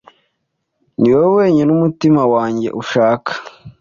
Niwowe wenyine umutima wanjye ushaka